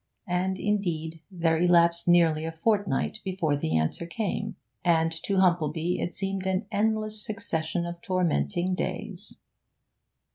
And, indeed, there elapsed nearly a fortnight before the answer came; and to Humplebee it seemed an endless succession of tormenting days.